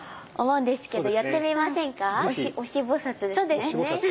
そうですねはい。